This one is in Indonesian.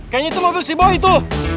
kayaknya itu mobil si boy itu